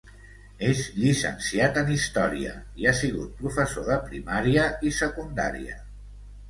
És llicenciat en història i ha sigut professor de primària i secundària.